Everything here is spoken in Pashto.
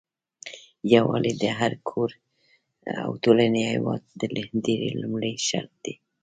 يوالي د هري کور او ټولني او هيواد د بری لمړي شرط دي